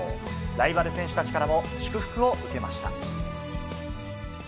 ライバル選手たちからも祝福を受けました。